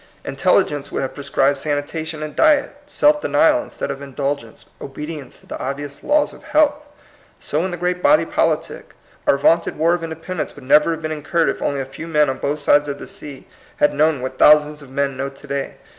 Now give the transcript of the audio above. Intel ligence would have prescribed sanitation and diet, self denial instead of indulgence, obedience to the obvious laws of health. So in the great body politic. Our vaunted War of Independence would never have been incurred if only a few men on both sides of the sea had known what thou sands of men know to day.